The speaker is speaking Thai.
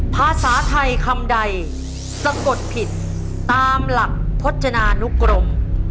ภาษาไทยคำใดสะกดผิดตามหลักพจนานุกรม